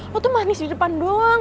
lo tuh manis di depan doang